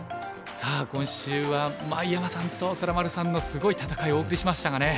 さあ今週は井山さんと虎丸さんのすごい戦いをお送りしましたがね。